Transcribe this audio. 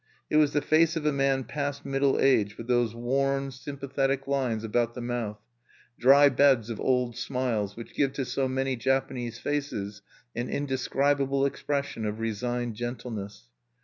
It was the face of a man past middle age, with those worn, sympathetic lines about the mouth, dry beds of old smiles, which give to so many Japanese faces an indescribable expression of resigned gentleness.